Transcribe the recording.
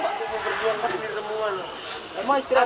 gila macam macam kejuangan ini semua